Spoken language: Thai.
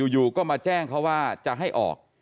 อยู่ก็มาแจ้งเขาว่าจะให้ออก